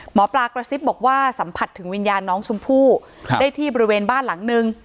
หมอปลากระซิบบอกว่าสัมผัสถึงวิญญาณน้องชมพู่ได้ที่บริเวณบ้านหลังนึง